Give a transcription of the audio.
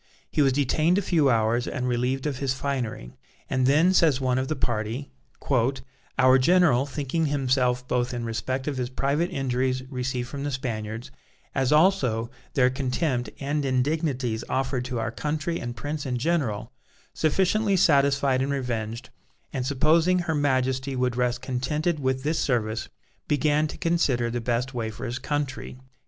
He was detained a few hours and relieved of his finery, and then, says one of the party: "Our general, thinking himself both in respect of his private injuries received from the Spaniards, as also their contempt and indignities offered to our country and prince in general, sufficiently satisfied and revenged, and supposing her Majesty would rest contented with this service, began to consider the best way for his country."